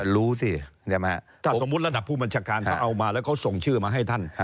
รู้สิถ้าสมมุติระดับผู้บัญชาการท่านเอามาแล้วเขาส่งชื่อมาให้ท่าน